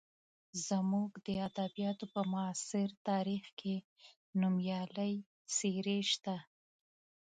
زموږ د ادبیاتو په معاصر تاریخ کې نومیالۍ څېرې شته.